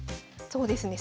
そうですね。